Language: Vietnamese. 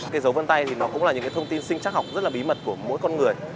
cái dấu vân tay thì nó cũng là những cái thông tin sinh chắc học rất là bí mật của mỗi con người